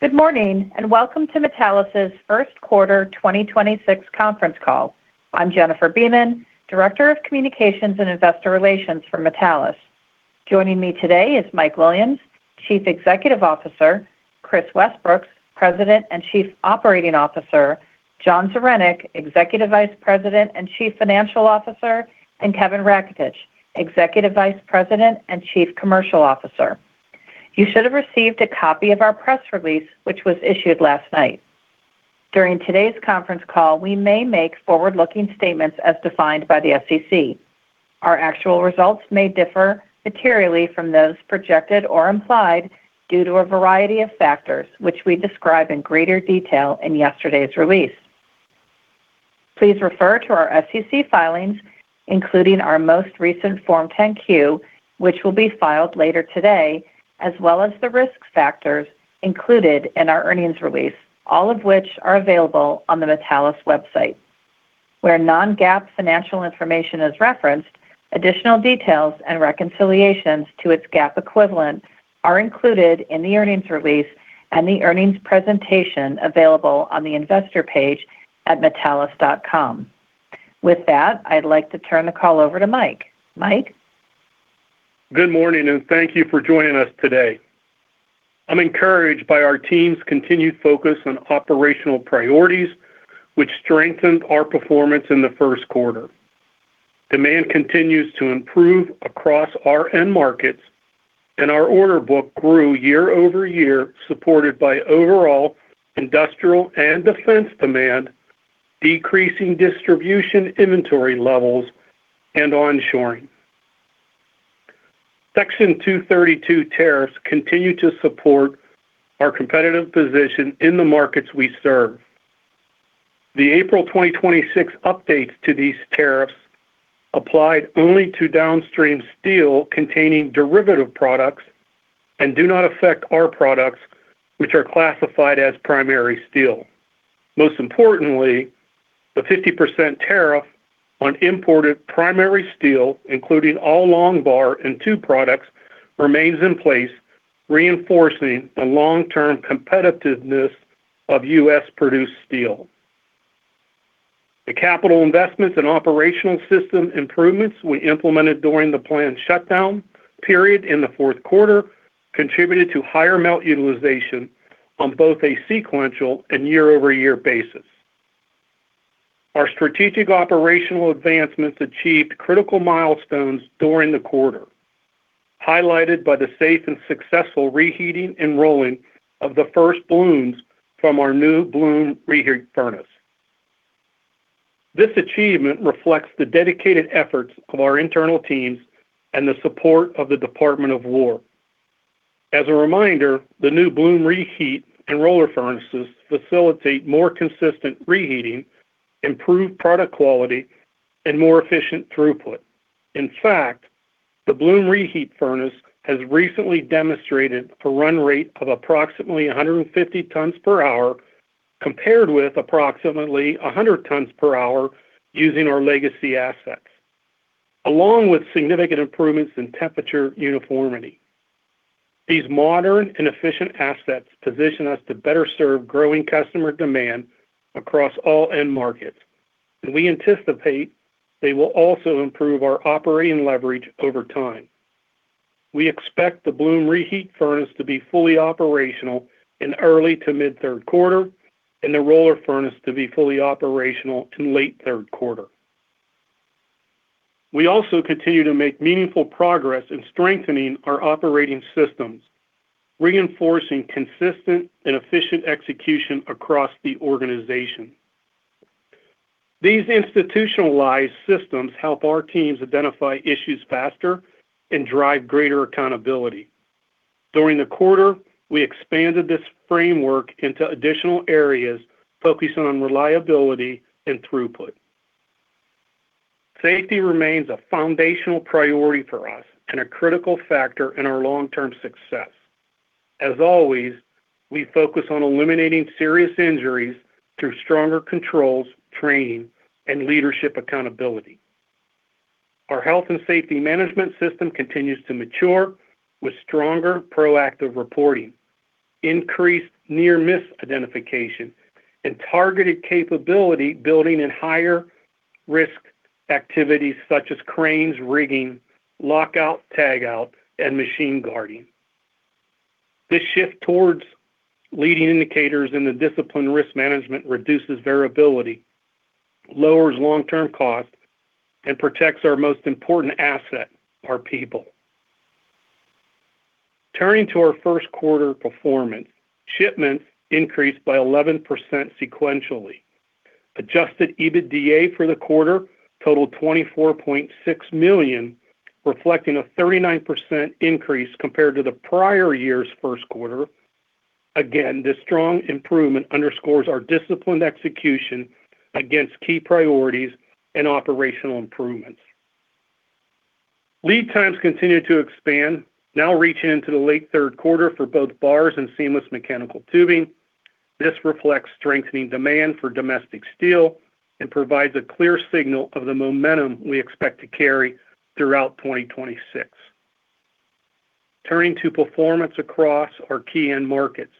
Good morning, and welcome to Metallus' first quarter 2026 conference call. I'm Jennifer Beeman, Director of Communications and Investor Relations for Metallus. Joining me today is Mike Williams, Chief Executive Officer, Kris Westbrooks, President and Chief Operating Officer, John Zaranec, Executive Vice President and Chief Financial Officer, and Kevin Raketich, Executive Vice President and Chief Commercial Officer. You should have received a copy of our press release, which was issued last night. During today's conference call, we may make forward-looking statements as defined by the SEC. Our actual results may differ materially from those projected or implied due to a variety of factors, which we describe in greater detail in yesterday's release. Please refer to our SEC filings, including our most recent Form 10-Q, which will be filed later today, as well as the risk factors included in our earnings release, all of which are available on the Metallus website. Where non-GAAP financial information is referenced, additional details and reconciliations to its GAAP equivalent are included in the earnings release and the earnings presentation available on the investor page at metallus.com. With that, I'd like to turn the call over to Mike. Mike? Good morning, and thank you for joining us today. I'm encouraged by our team's continued focus on operational priorities, which strengthened our performance in the first quarter. Demand continues to improve across our end markets and our order book grew year-over-year, supported by overall industrial and defense demand, decreasing distribution inventory levels, and onshoring. Section 232 tariffs continue to support our competitive position in the markets we serve. The April 2026 updates to these tariffs applied only to downstream steel containing derivative products and do not affect our products, which are classified as primary steel. Most importantly, the 50% tariff on imported primary steel, including all long bar and tube products, remains in place, reinforcing the long-term competitiveness of U.S.-produced steel. The capital investments and operational system improvements we implemented during the planned shutdown period in the fourth quarter contributed to higher melt utilization on both a sequential and year-over-year basis. Our strategic operational advancements achieved critical milestones during the quarter, highlighted by the safe and successful reheating and rolling of the first blooms from our new bloom reheat furnace. This achievement reflects the dedicated efforts of our internal teams and the support of the Department of War. As a reminder, the new bloom reheat and roller furnaces facilitate more consistent reheating, improved product quality, and more efficient throughput. In fact, the bloom reheat furnace has recently demonstrated a run rate of approximately 150 tons per hour compared with approximately 100 tons per hour using our legacy assets, along with significant improvements in temperature uniformity. These modern and efficient assets position us to better serve growing customer demand across all end markets, and we anticipate they will also improve our operating leverage over time. We expect the bloom reheat furnace to be fully operational in early to mid third quarter and the roller furnace to be fully operational in late third quarter. We also continue to make meaningful progress in strengthening our operating systems, reinforcing consistent and efficient execution across the organization. These institutionalized systems help our teams identify issues faster and drive greater accountability. During the quarter, we expanded this framework into additional areas focusing on reliability and throughput. Safety remains a foundational priority for us and a critical factor in our long-term success. As always, we focus on eliminating serious injuries through stronger controls, training, and leadership accountability. Our health and safety management system continues to mature with stronger proactive reporting, increased near-miss identification, and targeted capability building in higher risk activities such as cranes rigging, lockout tagout, and machine guarding. This shift towards leading indicators in the disciplined risk management reduces variability, lowers long-term costs, and protects our most important asset, our people. Turning to our first quarter performance, shipments increased by 11% sequentially. Adjusted EBITDA for the quarter totaled $24.6 million, reflecting a 39% increase compared to the prior year's first quarter. This strong improvement underscores our disciplined execution against key priorities and operational improvements. Lead times continue to expand, now reaching into the late third quarter for both bars and seamless mechanical tubing. This reflects strengthening demand for domestic steel and provides a clear signal of the momentum we expect to carry throughout 2026. Turning to performance across our key end markets.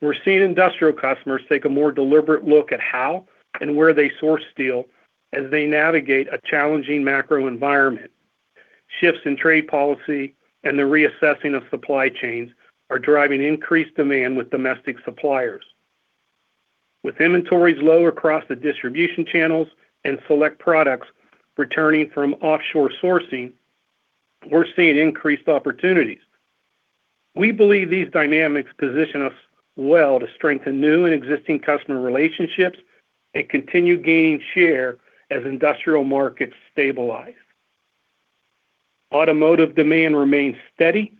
We're seeing industrial customers take a more deliberate look at how and where they source steel as they navigate a challenging macro environment. Shifts in trade policy and the reassessing of supply chains are driving increased demand with domestic suppliers. With inventories low across the distribution channels and select products returning from offshore sourcing, we're seeing increased opportunities. We believe these dynamics position us well to strengthen new and existing customer relationships and continue gaining share as industrial markets stabilize. Automotive demand remains steady,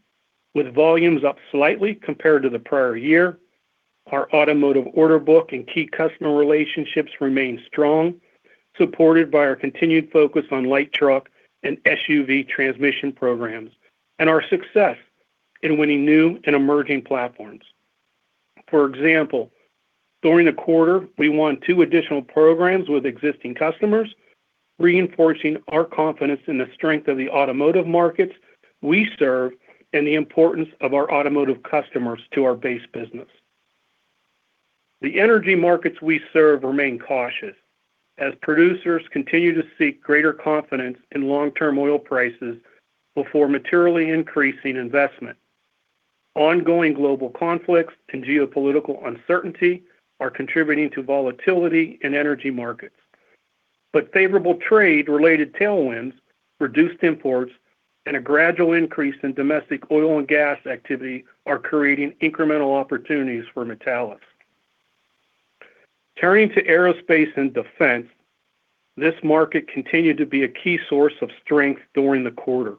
with volumes up slightly compared to the prior year. Our automotive order book and key customer relationships remain strong, supported by our continued focus on light truck and SUV transmission programs and our success in winning new and emerging platforms. For example, during the quarter, we won two additional programs with existing customers, reinforcing our confidence in the strength of the automotive markets we serve and the importance of our automotive customers to our base business. The energy markets we serve remain cautious as producers continue to seek greater confidence in long-term oil prices before materially increasing investment. Ongoing global conflicts and geopolitical uncertainty are contributing to volatility in energy markets. Favorable trade-related tailwinds, reduced imports, and a gradual increase in domestic oil and gas activity are creating incremental opportunities for Metallus. Turning to Aerospace & Defense, this market continued to be a key source of strength during the quarter.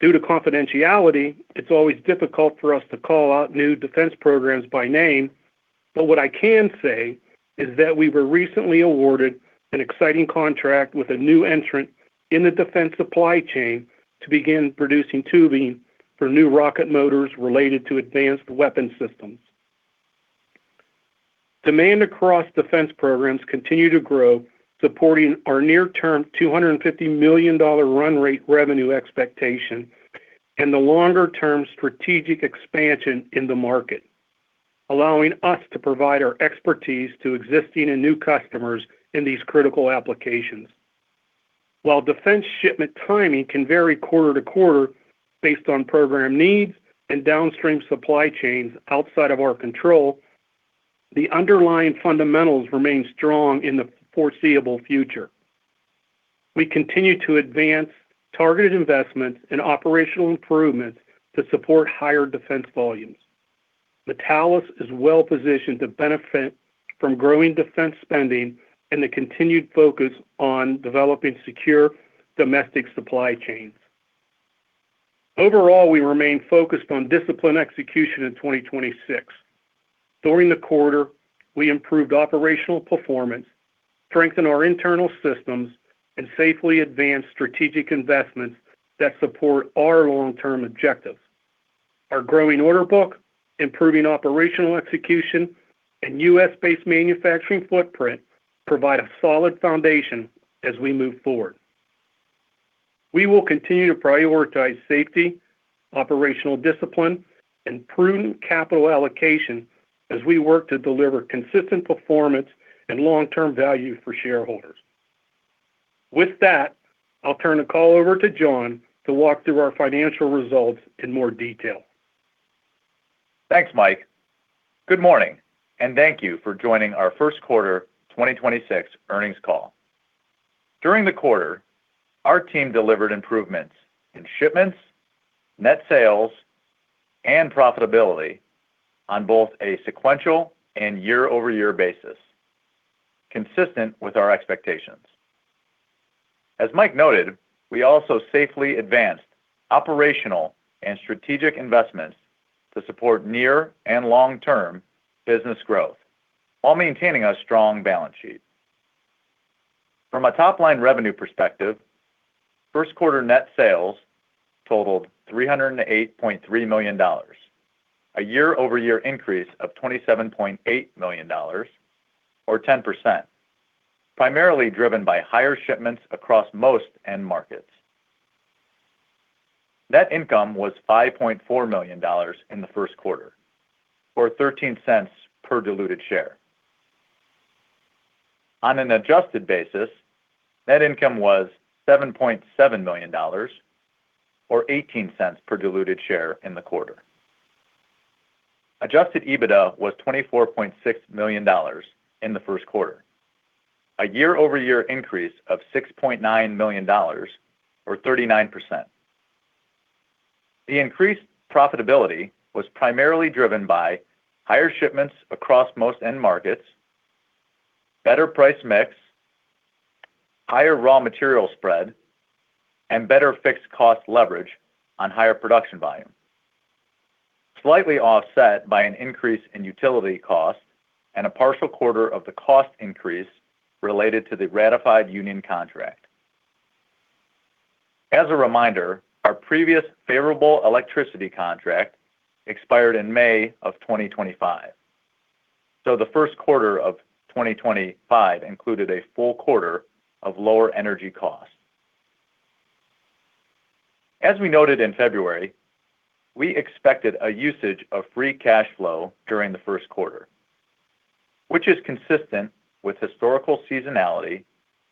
Due to confidentiality, it's always difficult for us to call out new defense programs by name. What I can say is that we were recently awarded an exciting contract with a new entrant in the defense supply chain to begin producing tubing for new rocket motors related to advanced weapon systems. Demand across defense programs continue to grow, supporting our near-term $250 million run rate revenue expectation and the longer-term strategic expansion in the market, allowing us to provide our expertise to existing and new customers in these critical applications. While defense shipment timing can vary quarter to quarter based on program needs and downstream supply chains outside of our control, the underlying fundamentals remain strong in the foreseeable future. We continue to advance targeted investments and operational improvements to support higher defense volumes. Metallus is well-positioned to benefit from growing defense spending and the continued focus on developing secure domestic supply chains. Overall, we remain focused on disciplined execution in 2026. During the quarter, we improved operational performance, strengthened our internal systems and safely advanced strategic investments that support our long-term objectives. Our growing order book, improving operational execution, and U.S.-based manufacturing footprint provide a solid foundation as we move forward. We will continue to prioritize safety, operational discipline, and prudent capital allocation as we work to deliver consistent performance and long-term value for shareholders. With that, I'll turn the call over to John to walk through our financial results in more detail. Thanks, Mike. Good morning, and thank you for joining our first quarter 2026 earnings call. During the quarter, our team delivered improvements in shipments, net sales, and profitability on both a sequential and year-over-year basis, consistent with our expectations. As Mike noted, we also safely advanced operational and strategic investments to support near and long-term business growth while maintaining a strong balance sheet. From a top-line revenue perspective, first quarter net sales totaled $308.3 million, a year-over-year increase of $27.8 million or 10%, primarily driven by higher shipments across most end markets. Net income was $5.4 million in the first quarter, or $0.13 per diluted share. On an adjusted basis, net income was $7.7 million or $0.18 per diluted share in the quarter. Adjusted EBITDA was $24.6 million in the first quarter, a year-over-year increase of $6.9 million or 39%. The increased profitability was primarily driven by higher shipments across most end markets, better price mix, higher raw material spread, and better fixed cost leverage on higher production volume. Slightly offset by an increase in utility costs and a partial quarter of the cost increase related to the ratified union contract. As a reminder, our previous favorable electricity contract expired in May of 2025. The first quarter of 2025 included a full quarter of lower energy costs. As we noted in February, we expected a usage of free cash flow during the first quarter, which is consistent with historical seasonality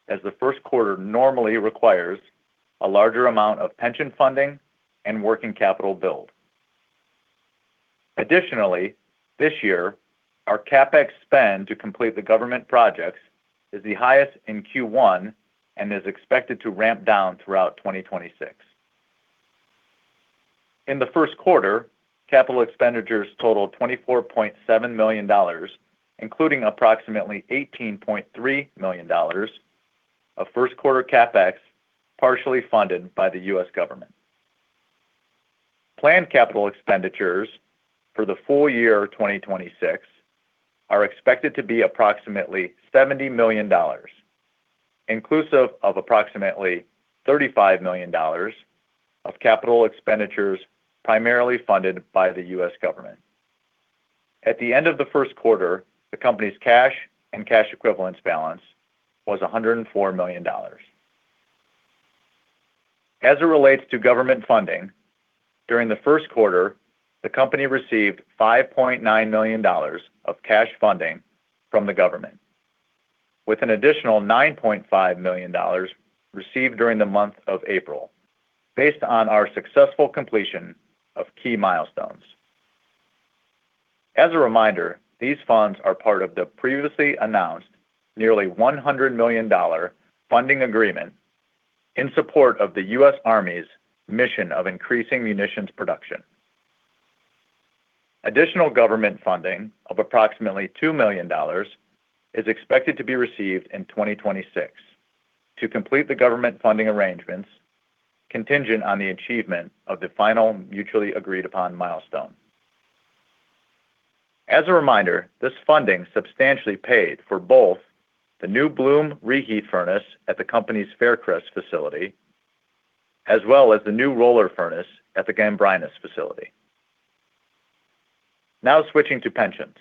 as the first quarter normally requires a larger amount of pension funding and working capital build. Additionally, this year, our CapEx spend to complete the government projects is the highest in Q1 and is expected to ramp down throughout 2026. In the first quarter, capital expenditures totaled $24.7 million, including approximately $18.3 million of first quarter CapEx, partially funded by the U.S. government. Planned capital expenditures for the full year 2026 are expected to be approximately $70 million, inclusive of approximately $35 million of capital expenditures primarily funded by the U.S. government. At the end of the first quarter, the company's cash and cash equivalents balance was $104 million. As it relates to government funding, during the first quarter, the company received $5.9 million of cash funding from the government, with an additional $9.5 million received during the month of April based on our successful completion of key milestones. As a reminder, these funds are part of the previously announced nearly $100 million funding agreement in support of the U.S. Army's mission of increasing munitions production. Additional government funding of approximately $2 million is expected to be received in 2026 to complete the government funding arrangements contingent on the achievement of the final mutually agreed upon milestone. As a reminder, this funding substantially paid for both the new bloom reheat furnace at the company's Faircrest facility, as well as the new roller furnace at the Gambrinus facility. Switching to pensions.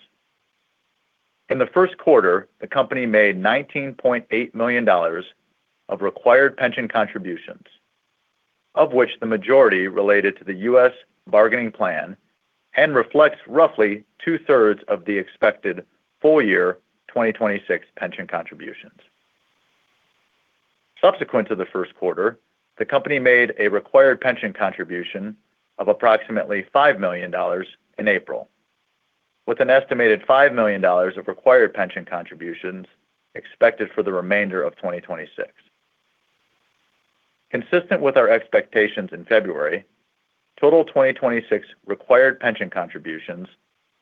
In the first quarter, the company made $19.8 million of required pension contributions, of which the majority related to the U.S. bargaining plan and reflects roughly 2/3 of the expected full year 2026 pension contributions. Subsequent to the first quarter, the company made a required pension contribution of approximately $5 million in April, with an estimated $5 million of required pension contributions expected for the remainder of 2026. Consistent with our expectations in February, total 2026 required pension contributions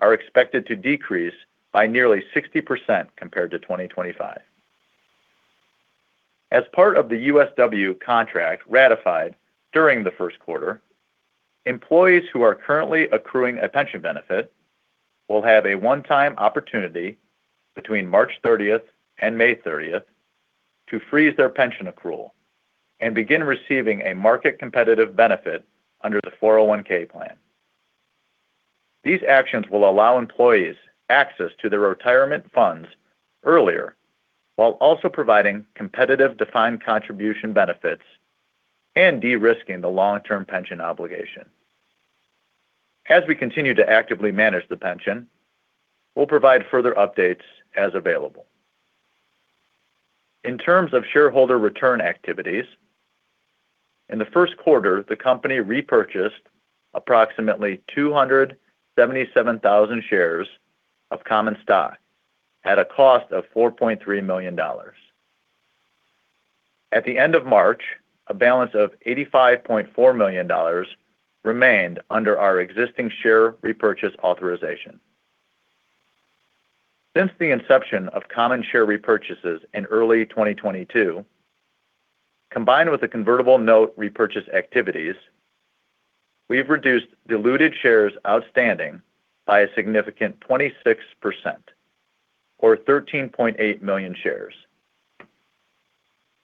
are expected to decrease by nearly 60% compared to 2025. As part of the USW contract ratified during the first quarter, employees who are currently accruing a pension benefit will have a one-time opportunity between March 30th and May 30th to freeze their pension accrual and begin receiving a market competitive benefit under the 401(k) plan. These actions will allow employees access to their retirement funds earlier while also providing competitive defined contribution benefits and de-risking the long-term pension obligation. As we continue to actively manage the pension, we'll provide further updates as available. In terms of shareholder return activities, in the first quarter, the company repurchased approximately 277,000 shares of common stock at a cost of $4.3 million. At the end of March, a balance of $85.4 million remained under our existing share repurchase authorization. Since the inception of common share repurchases in early 2022, combined with the convertible note repurchase activities, we've reduced diluted shares outstanding by a significant 26% or 13.8 million shares.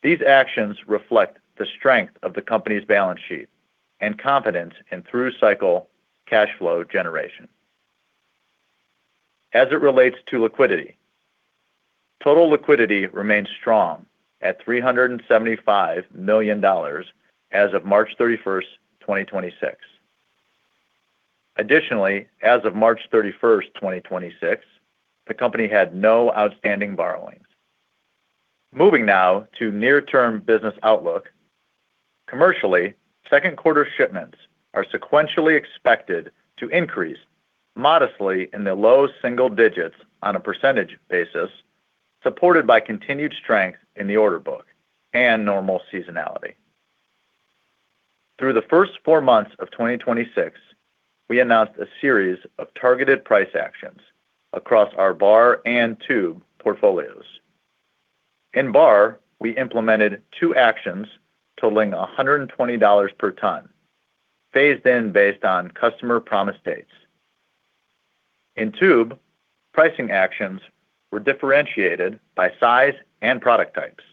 These actions reflect the strength of the company's balance sheet and confidence in through-cycle cash flow generation. As it relates to liquidity, total liquidity remains strong at $375 million as of March 31st, 2026. Additionally, as of March 31st, 2026, the company had no outstanding borrowings. Moving now to near-term business outlook. Commercially, second quarter shipments are sequentially expected to increase modestly in the low single-digits on a percentage basis, supported by continued strength in the order book and normal seasonality. Through the first four months of 2026, we announced a series of targeted price actions across our bar and tube portfolios. In bar, we implemented two actions totaling $120 per ton, phased in based on customer promise dates. In tube, pricing actions were differentiated by size and product types,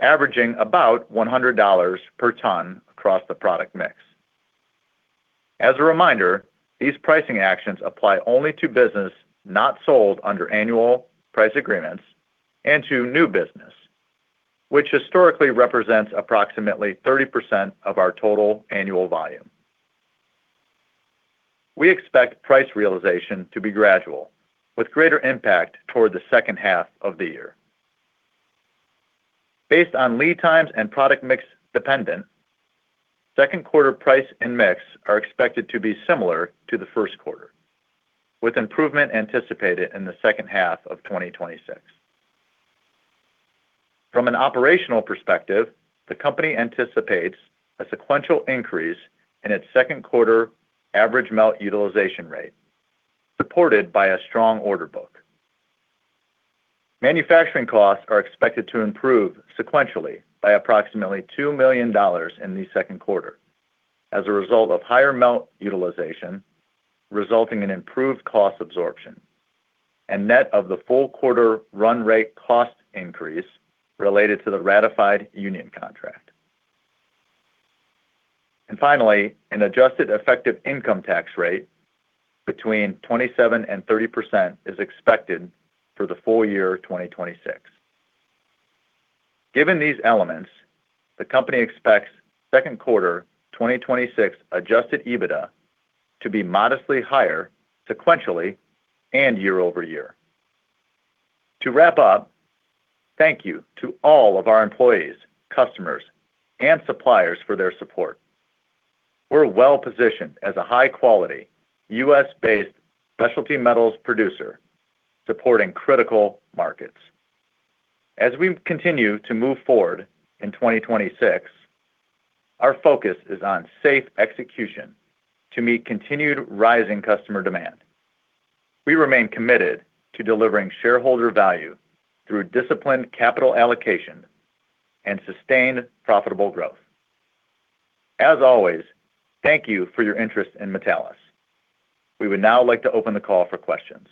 averaging about $100 per ton across the product mix. As a reminder, these pricing actions apply only to business not sold under annual price agreements and to new business, which historically represents approximately 30% of our total annual volume. We expect price realization to be gradual, with greater impact toward the second half of the year. Based on lead times and product mix dependent, second quarter price and mix are expected to be similar to the first quarter, with improvement anticipated in the second half of 2026. From an operational perspective, the company anticipates a sequential increase in its second quarter average melt utilization rate, supported by a strong order book. Manufacturing costs are expected to improve sequentially by approximately $2 million in the second quarter as a result of higher melt utilization, resulting in improved cost absorption and net of the full quarter run rate cost increase related to the ratified union contract. Finally, an adjusted effective income tax rate between 27% and 30% is expected for the full year 2026. Given these elements, the company expects second quarter 2026 adjusted EBITDA to be modestly higher sequentially and year-over-year. To wrap up, thank you to all of our employees, customers, and suppliers for their support. We're well-positioned as a high-quality, U.S.-based specialty metals producer supporting critical markets. As we continue to move forward in 2026, our focus is on safe execution to meet continued rising customer demand. We remain committed to delivering shareholder value through disciplined capital allocation and sustained profitable growth. As always, thank you for your interest in Metallus. We would now like to open the call for questions.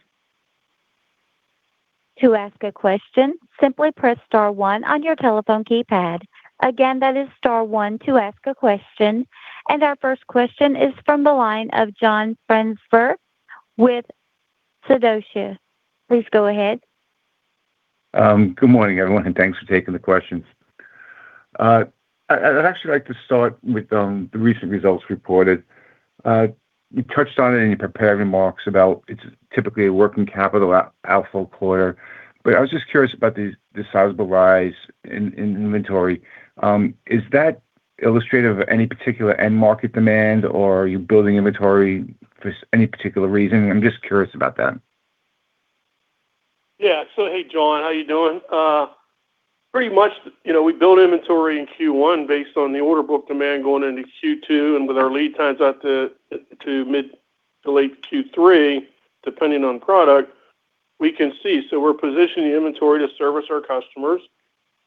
To ask a question, simply press star one on your telephone keypad. Again, that is star one to ask a question. Our first question is from the line of John Franzreb with Sidoti. Please go ahead. Good morning, everyone, and thanks for taking the questions. I'd actually like to start with, the recent results reported. You touched on it in your prepared remarks about it's typically a working capital outflow quarter, but I was just curious about the sizable rise in inventory. Is that illustrative of any particular end market demand, or are you building inventory for any particular reason? I'm just curious about that. Yeah. Hey, John, how you doing? Pretty much, you know, we build inventory in Q1 based on the order book demand going into Q2 and with our lead times out to mid to late Q3, depending on product, we can see. We're positioning inventory to service our customers,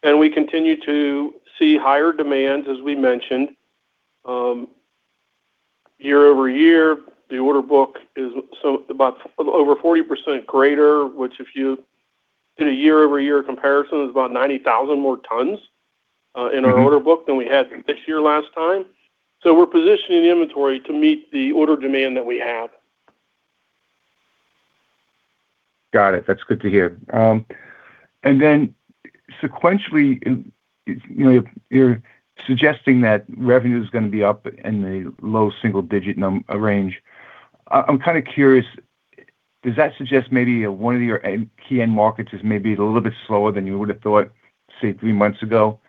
and we continue to see higher demand, as we mentioned. Year-over-year, the order book is about over 40% greater, which if you did a year-over-year comparison, is about 90,000 more tons. in our order book than we had this year last time. We're positioning inventory to meet the order demand that we have. Got it. That's good to hear. sequentially, you know, you're suggesting that revenue is gonna be up in the low single-digit range. I'm kind of curious, does that suggest maybe one of your key end markets is maybe a little bit slower than you would have thought, say, three months ago,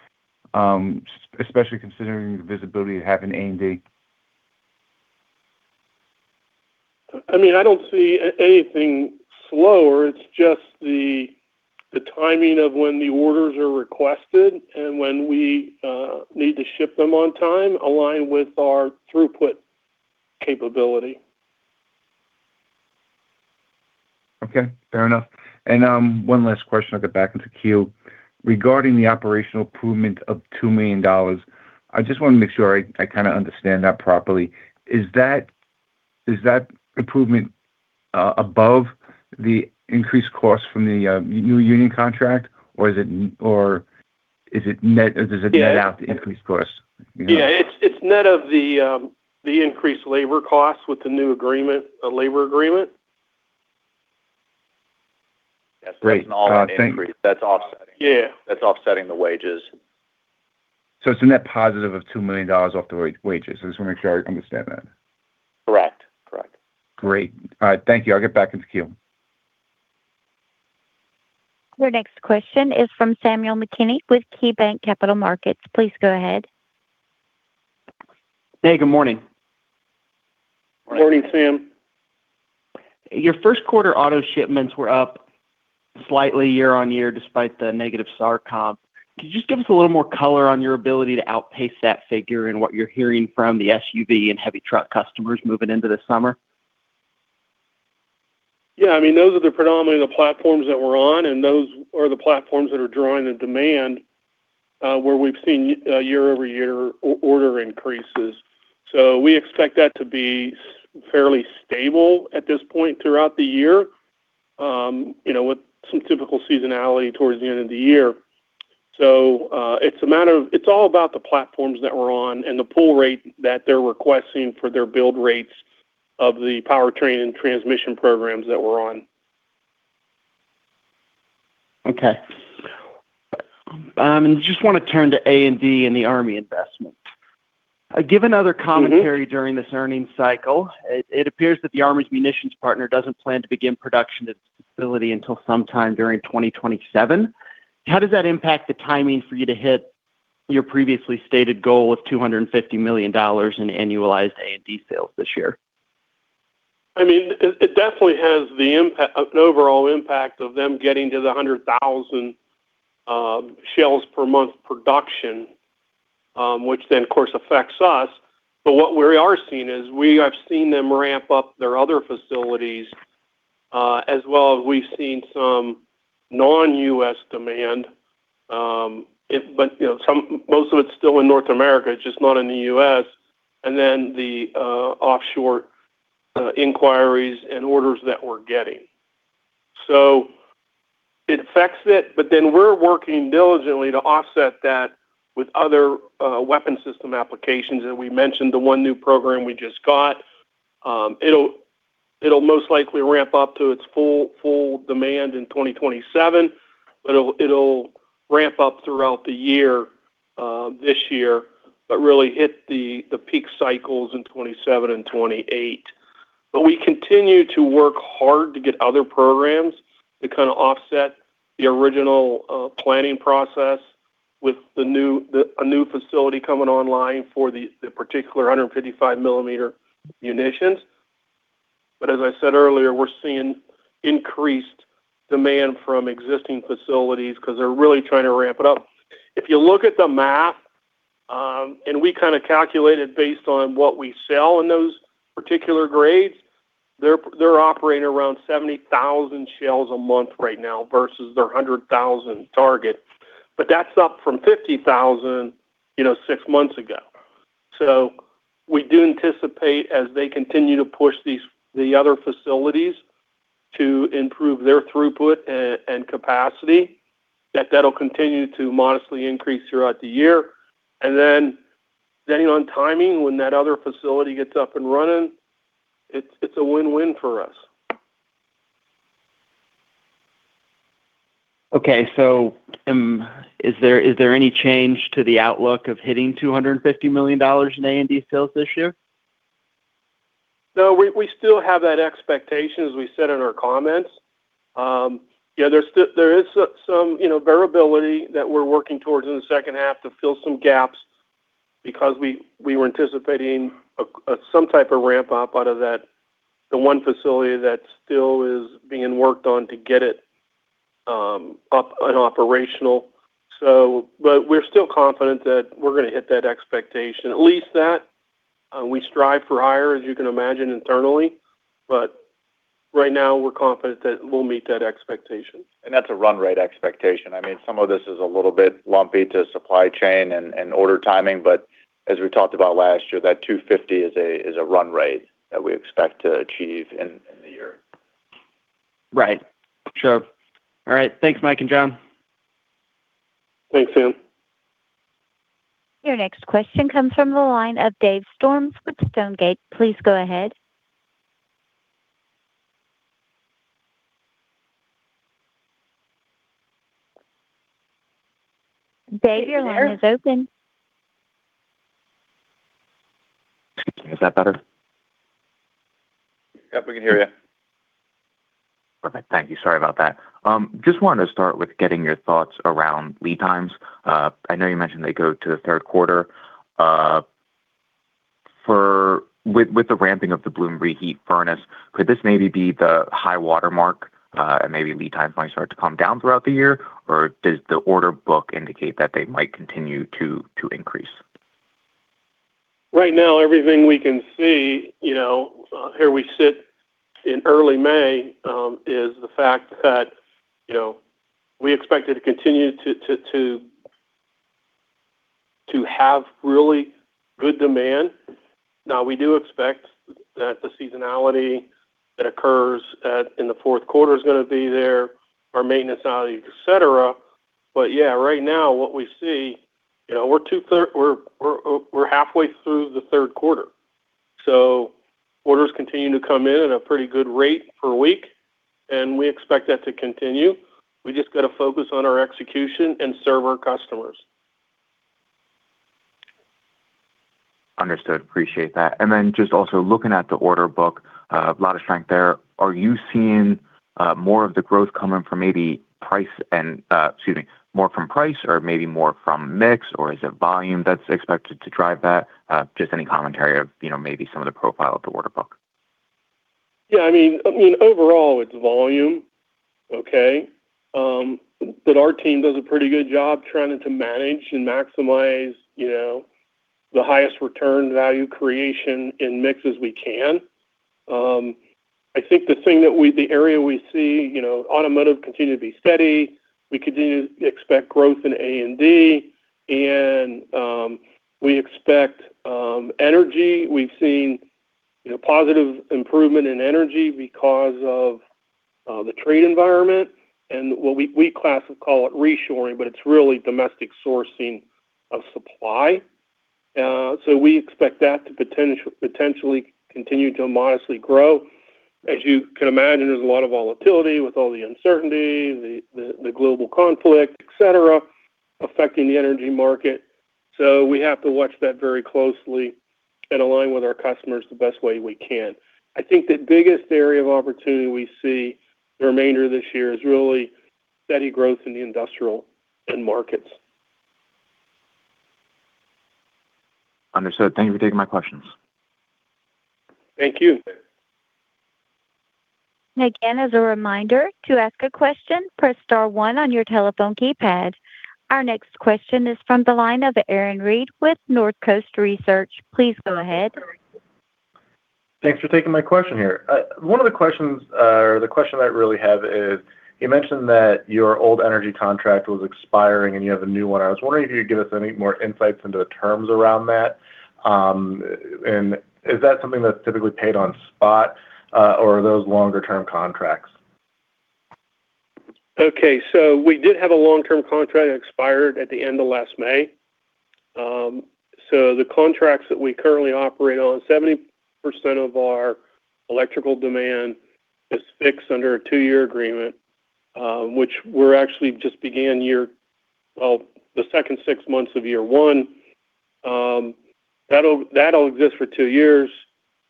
especially considering the visibility you have in A&D? I mean, I don't see anything slower. It's just the timing of when the orders are requested and when we need to ship them on time align with our throughput capability. Okay, fair enough. One last question I'll get back into queue. Regarding the operational improvement of $2 million, I just want to make sure I kind of understand that properly. Is that improvement above the increased cost from the new union contract or is it net. Yeah. Does it net out the increased cost, you know? Yeah. It's net of the increased labor costs with the new agreement, labor agreement. Great. That's an all-in increase. That's offsetting. Yeah. That's offsetting the wages. It's a net positive of $2 million off the wages. I just want to make sure I understand that. Correct. Correct. Great. All right. Thank you. I'll get back into queue. Your next question is from Samuel McKinney with KeyBanc Capital Markets. Please go ahead. Hey, good morning. Morning, Sam. Your first quarter auto shipments were up slightly year-on-year despite the negative SAR comp. Could you just give us a little more color on your ability to outpace that figure and what you're hearing from the SUV and heavy truck customers moving into the summer? Yeah, I mean, those are the predominantly the platforms that we're on, and those are the platforms that are driving the demand where we've seen year-over-year order increases. We expect that to be fairly stable at this point throughout the year, you know, with some typical seasonality towards the end of the year. It's all about the platforms that we're on and the pull rate that they're requesting for their build rates of the powertrain and transmission programs that we're on. Okay. Just wanna turn to A&D and the Army investment. Given other commentary during this earnings cycle, it appears that the U.S. Army's munitions partner doesn't plan to begin production at its facility until sometime during 2027. How does that impact the timing for you to hit your previously stated goal of $250 million in annualized A&D sales this year? I mean, it definitely has an overall impact of them getting to the 100,000 shells per month production, which of course affects us. What we are seeing is we have seen them ramp up their other facilities, as well as we've seen some non-U.S. demand, most of it's still in North America, just not in the U.S., and the offshore inquiries and orders that we're getting. It affects it, but we're working diligently to offset that with other weapon system applications. We mentioned the one new program we just got. It'll most likely ramp up to its full demand in 2027. It'll ramp up throughout the year, this year, but really hit the peak cycles in 2027 and 2028. We continue to work hard to get other programs to kind of offset the original planning process with the new facility coming online for the particular 155 mm munitions. As I said earlier, we're seeing increased demand from existing facilities because they're really trying to ramp it up. If you look at the math, and we kind of calculated based on what we sell in those particular grades, they're operating around 70,000 shells a month right now versus their 100,000 target. That's up from 50,000, you know, six months ago. We do anticipate as they continue to push the other facilities to improve their throughput and capacity, that'll continue to modestly increase throughout the year. Depending on timing, when that other facility gets up and running, it's a win-win for us. Okay. Is there any change to the outlook of hitting $250 million in A&D sales this year? No. We still have that expectation as we said in our comments. Yeah, there is some, you know, variability that we're working towards in the second half to fill some gaps because we were anticipating some type of ramp up out of that, the one facility that still is being worked on to get it up and operational. We're still confident that we're gonna hit that expectation. At least that we strive for higher, as you can imagine, internally, but right now we're confident that we'll meet that expectation. That's a run rate expectation. I mean, some of this is a little bit lumpy to supply chain and order timing. As we talked about last year, that 250 is a run rate that we expect to achieve in the year. Right. Sure. All right. Thanks, Mike and John. Thanks, Sam. Your next question comes from the line of Dave Storms with Stonegate. Please go ahead. Dave, your line is open. Excuse me. Is that better? Yep, we can hear you. Perfect. Thank you. Sorry about that. Just wanted to start with getting your thoughts around lead times. I know you mentioned they go to the third quarter. With the ramping of the bloom reheat furnace, could this maybe be the high water mark, and maybe lead times might start to come down throughout the year? Or does the order book indicate that they might continue to increase? Right now, everything we can see, you know, here we sit in early May, is the fact that, you know, we expect it to continue to have really good demand. We do expect that the seasonality that occurs in the fourth quarter is gonna be there, our maintenance out, et cetera. Yeah, right now what we see, you know, We're halfway through the third quarter. Orders continue to come in at a pretty good rate per week, and we expect that to continue. We just gotta focus on our execution and serve our customers. Understood. Appreciate that. Just also looking at the order book, a lot of strength there. Are you seeing more of the growth coming from maybe price, excuse me, more from price or maybe more from mix, or is it volume that's expected to drive that? Just any commentary of, you know, maybe some of the profile of the order book. Yeah, I mean, I mean, overall it's volume, okay? But our team does a pretty good job trying to manage and maximize, you know, the highest return value creation in mix as we can. I think the area we see, you know, automotive continue to be steady. We continue to expect growth in A&D, and we expect energy. We've seen, you know, positive improvement in energy because of the trade environment and what we call it reshoring, but it's really domestic sourcing of supply. We expect that to potentially continue to modestly grow. As you can imagine, there's a lot of volatility with all the uncertainty, the global conflict, et cetera, affecting the energy market. We have to watch that very closely and align with our customers the best way we can. I think the biggest area of opportunity we see the remainder of this year is really steady growth in the industrial end markets. Understood. Thank you for taking my questions. Thank you. Again, as a reminder, to ask a question, press star one on your telephone keypad. Our next question is from the line of Aaron Reed with Northcoast Research. Please go ahead. Thanks for taking my question here. One of the questions, or the question I really have is, you mentioned that your old energy contract was expiring, and you have a new one. I was wondering if you could give us any more insights into the terms around that. Is that something that's typically paid on spot, or are those longer-term contracts? Okay. We did have a long-term contract that expired at the end of last May. The contracts that we currently operate on, 70% of our electrical demand is fixed under a two-year agreement, which we're actually just the second six months of year one. That'll exist for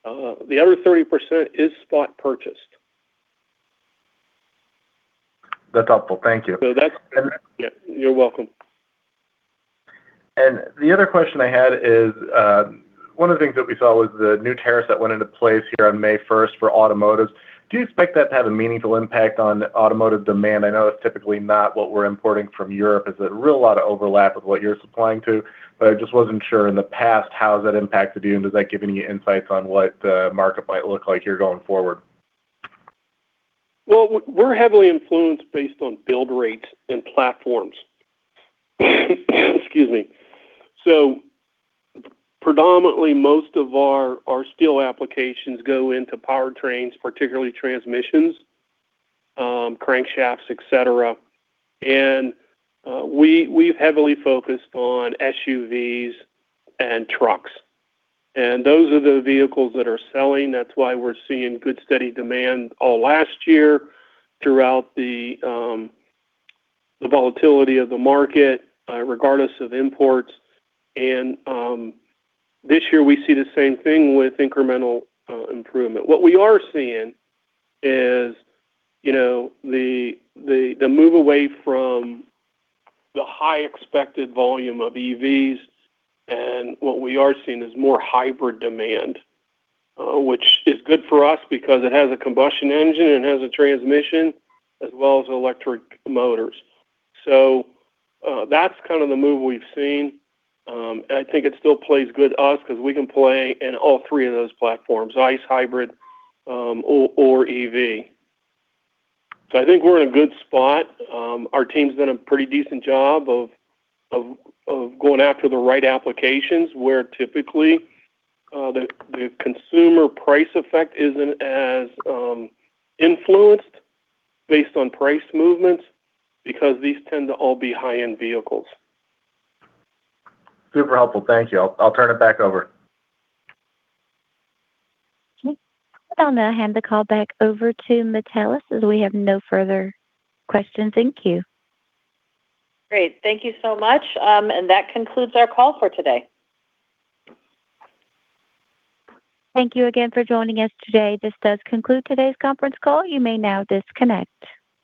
two-years. The other 30% is spot purchased. That's helpful. Thank you. So that's. And. Yeah, you're welcome. The other question I had is, one of the things that we saw was the new tariffs that went into place here on May 1st for automotives. Do you expect that to have a meaningful impact on automotive demand? I know that's typically not what we're importing from Europe. There's a real lot of overlap of what you're supplying to, but I just wasn't sure in the past, how has that impacted you, and does that give any insights on what the market might look like here going forward? Well, we're heavily influenced based on build rate and platforms. Excuse me. Predominantly most of our steel applications go into powertrains, particularly transmissions, crankshafts, et cetera. We've heavily focused on SUVs and trucks. Those are the vehicles that are selling. That's why we're seeing good, steady demand all last year throughout the volatility of the market, regardless of imports. This year we see the same thing with incremental improvement. What we are seeing is, you know, the move away from the high expected volume of EVs, what we are seeing is more hybrid demand, which is good for us because it has a combustion engine and has a transmission as well as electric motors. That's kind of the move we've seen. I think it still plays good to us 'cause we can play in all three of those platforms, ICE, hybrid, or EV. I think we're in a good spot. Our team's done a pretty decent job of going after the right applications where typically the consumer price effect isn't as influenced based on price movements because these tend to all be high-end vehicles. Super helpful. Thank you. I'll turn it back over. Okay. I'll now hand the call back over to Metallus as we have no further questions. Thank you. Great. Thank you so much. That concludes our call for today. Thank you again for joining us today. This does conclude today's conference call. You may now disconnect.